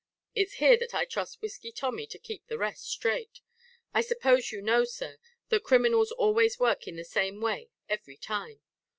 It's here that I trust Whisky Tommy to keep the rest straight. I suppose you know, Sir, that criminals always work in the same way every time.